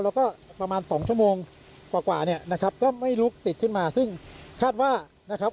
แล้วก็ประมาณสองชั่วโมงกว่ากว่าเนี่ยนะครับก็ไม่ลุกติดขึ้นมาซึ่งคาดว่านะครับ